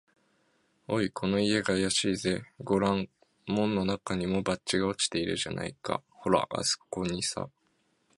「おい、この家があやしいぜ。ごらん、門のなかにも、バッジが落ちているじゃないか。ほら、あすこにさ」